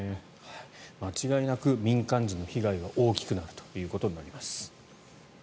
間違いなく民間人の被害が大きくなるということだと思います。